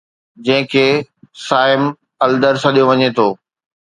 جنهن کي صائم الدر سڏيو وڃي ٿو